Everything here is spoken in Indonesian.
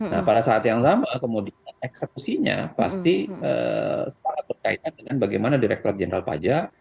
nah pada saat yang sama kemudian eksekusinya pasti sangat berkaitan dengan bagaimana direkturat jenderal pajak